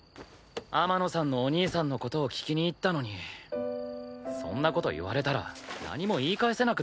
天野さんのお兄さんの事を聞きに行ったのにそんな事言われたら何も言い返せなくなるだろ。